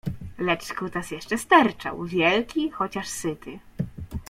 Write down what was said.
Lecz kutas jeszcze sterczał, wielki, chociaż syty.